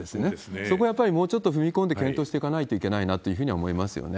そこはやっぱりもうちょっと踏み込んで検討していかないといけないなというふうに思いますよね。